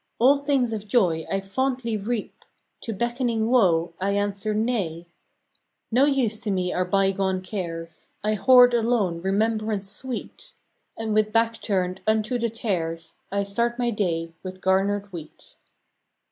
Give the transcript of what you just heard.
All things of joy I fondly reap, To beckoning woe I answer Nay. No use to me are bygone cares. I hoard alone remembrance sweet, And with back turned unto the tares I start my day with garnered wheat.